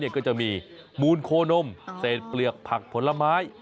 ก็จะมีมูลโคนมเศษเปลือกผักผลไม้